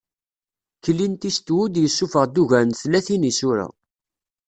Clint Eastwood yessufeɣ-d ugar n tlatin isura.